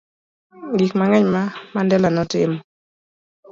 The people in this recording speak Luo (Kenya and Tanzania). Gik mang'eny ma Mandela ne timo